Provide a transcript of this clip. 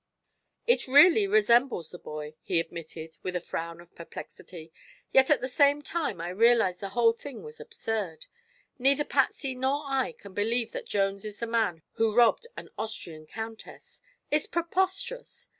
"It really resembles the boy," he admitted, with a frown of perplexity, "yet at the same time I realized the whole thing was absurd. Neither Patsy nor I can believe that Jones is the man who robbed an Austrian countess. It's preposterous!